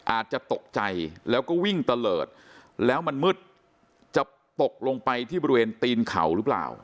อาจจะตกใจแล้วก็วิ่งตะเลิศแล้วมันมืดจะตกลงไปที่บริเวณตีนเขาหรือเปล่า